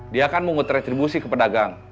dia kan mau ngutretribusi ke pedagang